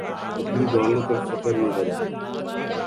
اپنی دولت پر فکر نہ کرو